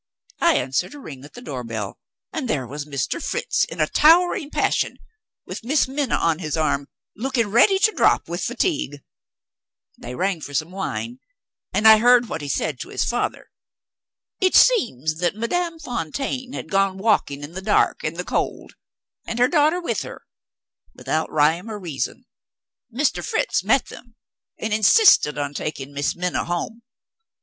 I answered a ring at the door bell and there was Mr. Fritz in a towering passion, with Miss Minna on his arm looking ready to drop with fatigue. They rang for some wine; and I heard what he said to his father. It seems that Madame Fontaine had gone out walking in the dark and the cold (and her daughter with her), without rhyme or reason. Mr. Fritz met them, and insisted on taking Miss Minna home.